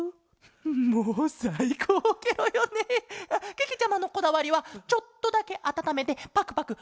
けけちゃまのこだわりはちょっとだけあたためてパクパクおくちに。